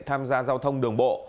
tham gia giao thông đường bộ